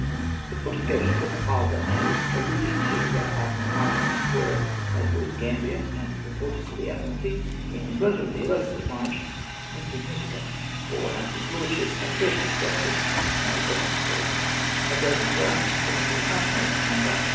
The fortifications on Isle d'Aix, alluded to by Admi ral Allemand, were, as Lord Gambler had reported to the Admiralty in his letter of the 11th of March, insig nificant, or, as his Lordship at first expressed it, " no obstacle ;" a dozen guns being the utmost number STATE OF niEPAEATIONS.